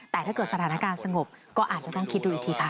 แต่ถ้าเกิดสถานการณ์สงบก็อาจจะต้องคิดดูอีกทีค่ะ